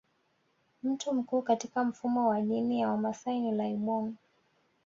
Mtu mkuu katika mfumo wa dini ya Wamasai ni laibon